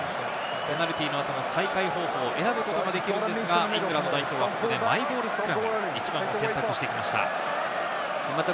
ペナルティーなどの再開方法を選ぶことができるんですが、イングランド代表は、ここでマイボールスクラム、１番を選択してきました。